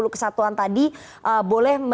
sepuluh kesatuan tadi boleh